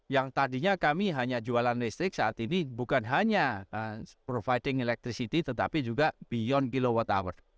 yang tadinya kami hanya jualan listrik saat ini bukan hanya providing electricity tetapi juga beyond kilowatt hour